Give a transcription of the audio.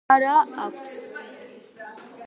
გული არა აქვთ.